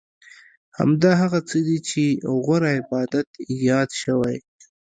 همدا هغه څه دي چې غوره عبادت یاد شوی.